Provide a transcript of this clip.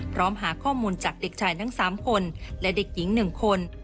หาข้อมูลจากเด็กชายทั้ง๓คนและเด็กหญิง๑คน